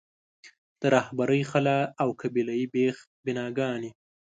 د رهبرۍ خلا او قبیله یي بېخ بناګانې.